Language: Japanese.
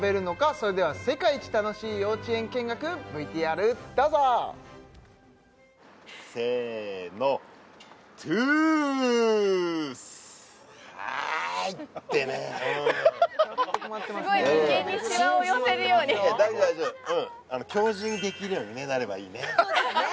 それでは世界一楽しい幼稚園見学ＶＴＲどうぞせーのはいってねすごい眉間にしわを寄せるように大丈夫大丈夫今日中にできるようにねなればいいねそうですね